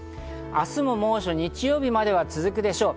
明日も猛暑、日曜日までは続くでしょう。